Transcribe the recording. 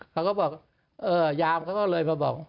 เขาก็บอกยามเขาก็เลยมาบอก